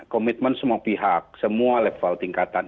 komitmen semua pihak semua level tingkatan